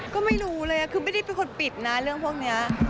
ก็ไม่รู้เลยคือไม่ได้เป็นคนปิดนะเรื่องพวกนี้